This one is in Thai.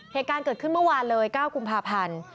เหตุการณ์เกิดขึ้นเมื่อวานเลย๙กุมภาพันธ์